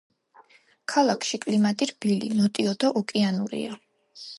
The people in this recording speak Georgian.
ქალაქში კლიმატი რბილი, ნოტიო და ოკეანურია.